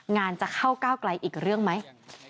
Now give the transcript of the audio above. งานจะเข้าก้าวไกลอีกเรื่องไหม